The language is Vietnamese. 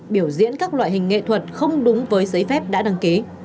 biểu diễn các loại hình nghệ thuật không đúng với giấy phép đã đăng ký